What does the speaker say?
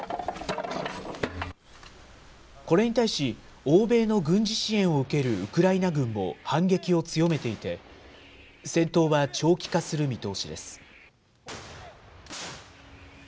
これに対し、欧米の軍事支援を受けるウクライナ軍も反撃を強めていて、戦闘は長期化する見通しです。